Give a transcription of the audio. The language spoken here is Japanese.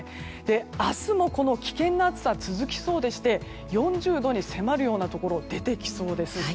明日もこの危険な暑さは続きそうでして４０度に迫るようなところが出てきそうです。